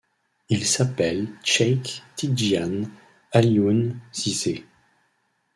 Il s'appelle Cheikh Tidjiane Alioune Cissé.